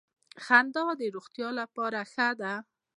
خندا د روغتیا لپاره ښه ده